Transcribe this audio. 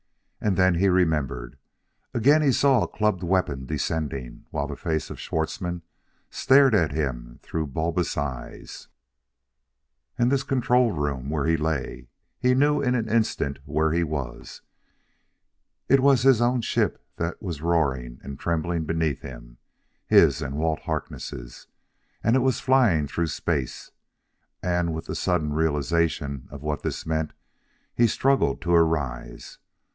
And then he remembered. Again he saw a clubbed weapon descending, while the face of Schwartzmann stared at him through bulbous eyes.... And this control room where he lay he knew in an instant where he was. It was his own ship that was roaring and trembling beneath him his and Walt Harkness' it was flying through space! And, with the sudden realization of what this meant, he struggled to arise.